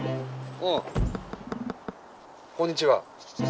こんにちは。